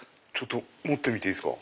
持ってみていいですか？